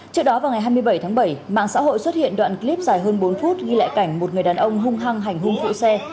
trước đó vào ngày hai mươi bảy tháng bảy mạng xã hội xuất hiện đoạn clip dài hơn bốn phút ghi lại cảnh một người đàn ông hung hăng hành hung phụ xe